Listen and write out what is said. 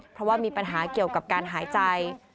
เพราะว่ามีปัญหาเกี่ยวกับการหายใจ